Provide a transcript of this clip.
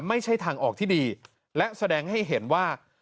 ไม่ใช่ทางออกที่ดีและแสดงให้เห็นว่า